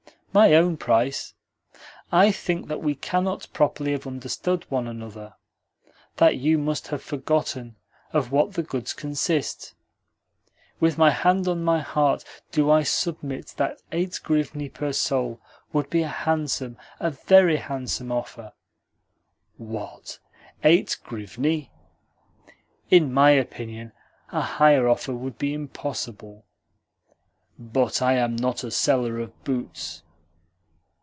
"My own price? I think that we cannot properly have understood one another that you must have forgotten of what the goods consist. With my hand on my heart do I submit that eight grivni per soul would be a handsome, a VERY handsome, offer." "What? Eight grivni?" "In my opinion, a higher offer would be impossible." "But I am not a seller of boots."